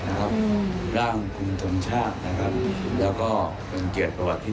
นะครับร่างภูมิธรรมชาตินะครับแล้วก็เป็นเกลียดประวัติที่